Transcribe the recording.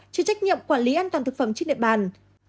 chịu trách nhiệm quản lý an toàn thực phẩm trên địa bàn